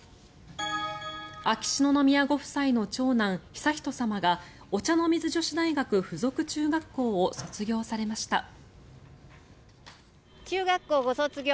秋篠宮ご夫妻の長男・悠仁さまがお茶の水女子大学附属中学校を卒業されました。